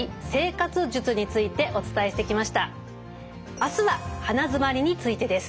あすは鼻づまりについてです。